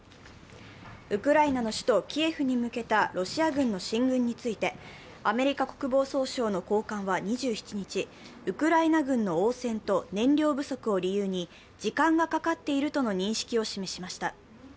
ウクライナの首都キエフに向けたロシア軍の進軍についてアメリカ国防総省の高官は２７日、ウクライナ軍の応戦と燃料不足を理由に時間がかかっているとの認識を示しました。